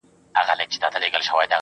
د هري سيمي ټول مروج قوانين